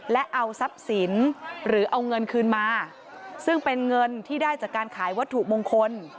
และเอาทรัพย์สินหรือเอาเงินคืนมาซึ่งเป็นเงินที่ได้จากการขายวัตถุมงคล